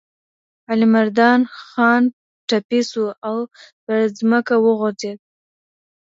علیمردان خان ټپي شو او پر ځمکه وغورځېد.